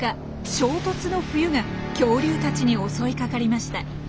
「衝突の冬」が恐竜たちに襲いかかりました。